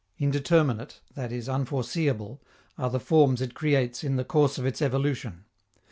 Indeterminate, i.e. unforeseeable, are the forms it creates in the course of its evolution.